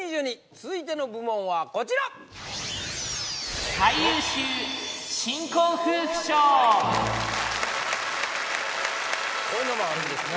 続いての部門はこちらこういうのもあるんですね